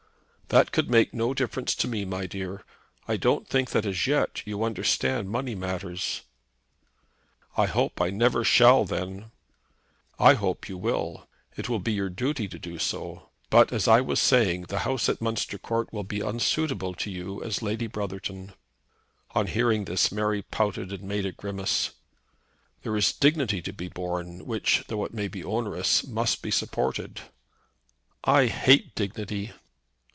"That could make no difference to me, my dear. I don't think that as yet you understand money matters." "I hope I never shall, then." "I hope you will. It will be your duty to do so. But, as I was saying, the house at Munster Court will be unsuitable to you as Lady Brotherton." On hearing this Mary pouted and made a grimace. "There is a dignity to be borne which, though it may be onerous, must be supported." "I hate dignity."